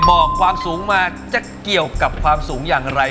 บอกความสูงเรียกอย่างไร